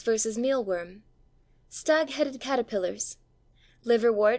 _ meal worm Stag headed caterpillars Liverwort _v.